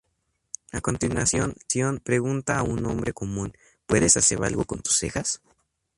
A continuación, le pregunta a un hombre común: "¿Puedes hacer algo con tus cejas?".